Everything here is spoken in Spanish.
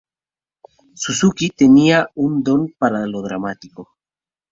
Suzuki tenía un don para lo dramático.